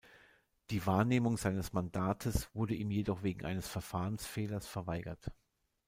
Die Wahrnehmung seines Mandates wurde ihm jedoch wegen eines Verfahrensfehlers verweigert.